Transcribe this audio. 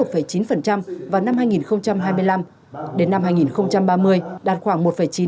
đô thị toàn quốc đến năm hai nghìn ba mươi đạt khoảng một chín hai ba